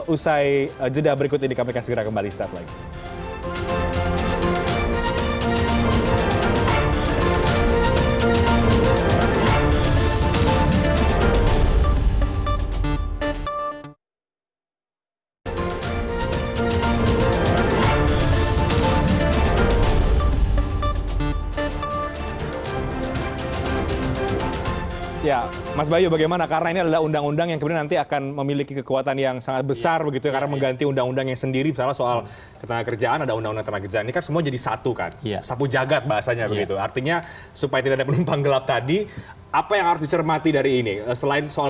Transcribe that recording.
usai jeda berikut ini kami akan segera kembali setelah ini